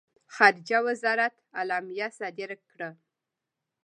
خارجه وزارت اعلامیه صادره کړه.